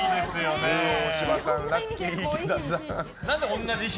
ルー大柴さん、ラッキィ池田さん。